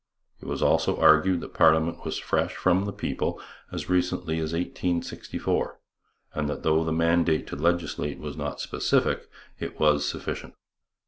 It was also argued that parliament was fresh from the people as recently as 1864, and that though the mandate to legislate was not specific, it was sufficient.